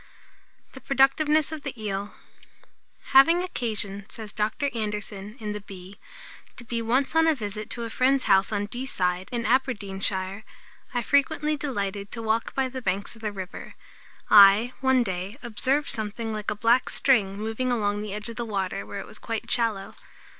THE PRODUCTIVENESS OF THE EEL. "Having occasion," says Dr. Anderson, in the Bee, "to be once on a visit to a friend's house on Dee side, in Aberdeenshire, I frequently delighted to walk by the banks of the river. I, one day, observed something like a black string moving along the edge of the water where it was quite shallow.